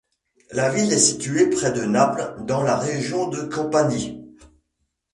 La ville est située près de Naples dans la région de Campanie.